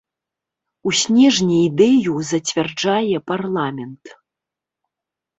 У снежні ідэю зацвярджае парламент.